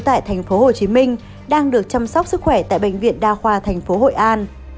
tại thành phố hồ chí minh đang được chăm sóc sức khỏe tại bệnh viện đa khoa tp hội an